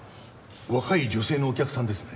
若い女性のお客さんですね？